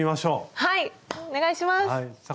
はいお願いします！